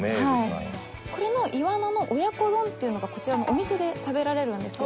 これの岩魚の親子丼っていうのがこちらのお店で食べられるんですよ。